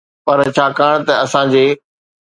پر ڇاڪاڻ ته اسان جي